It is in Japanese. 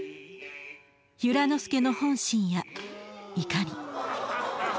由良之助の本心やいかに。